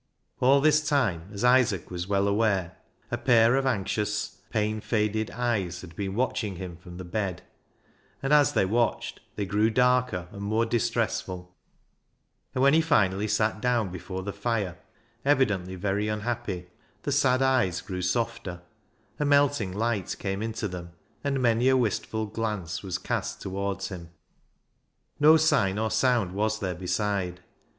All this time, as Isaac was well aware, a pair of anxious, pain faded eyes had been watching him from the bed, and as they watched they grew darker and more distressful, and when he finally sat down before the fire, evidently very unhappy, the sad eyes grew softer, a melting light came into them, and many a wistful glance was cast towards him. No sign or sound was there beside.